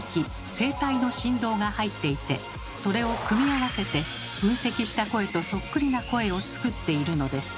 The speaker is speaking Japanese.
「声帯の振動」が入っていてそれを組み合わせて分析した声とそっくりな声を作っているのです。